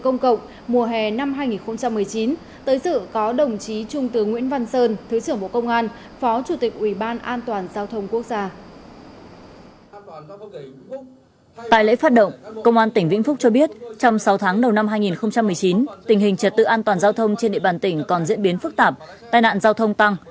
năm hai nghìn một mươi chín tình hình trật tự an toàn giao thông trên địa bàn tỉnh còn diễn biến phức tạp tai nạn giao thông tăng